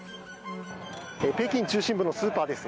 北京中心部のスーパーです。